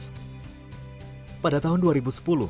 gelar serjana hukum melekat pada dirinya tak lantas membuatnya puas